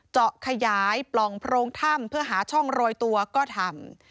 เจาะขยายปล่องโพรงถ้ำเพื่อหาช่องโรยตัวก็ทำ